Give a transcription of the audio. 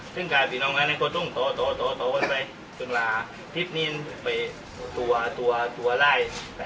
ซึ่งการพินองค์ก็ต้องต่อไปจึงราพิษนี้ไปตัวตัวตัวไล่